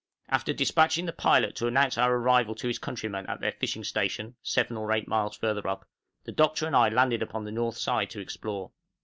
After despatching the pilot to announce our arrival to his countrymen at their fishing station, 7 or 8 miles further up, the Doctor and I landed upon the north side to explore.